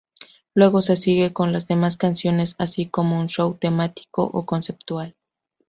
Luego se sigue con las demás canciones así como un show temático o conceptual.